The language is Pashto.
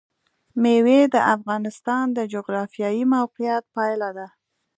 مېوې د افغانستان د جغرافیایي موقیعت پایله ده.